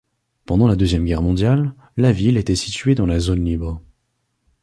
Pendant la Deuxième Guerre mondiale, la ville était située dans la zone libre.